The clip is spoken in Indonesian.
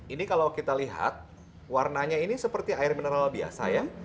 ini kalau kita lihat warnanya ini seperti air mineral biasa ya